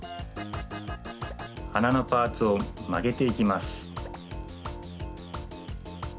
はなのパーツをまげていきます。